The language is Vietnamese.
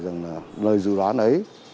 rằng là lời dự đoán đấy